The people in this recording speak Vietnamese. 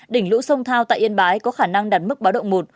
đỉnh lũ sông thao tại yên bái có khả năng đạt mức báo động một